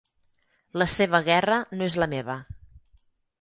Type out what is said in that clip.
La seva guerra no és la meva.